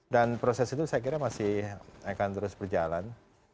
dan proses itu saya kira masih akan terus berjalan